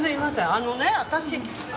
あのね私。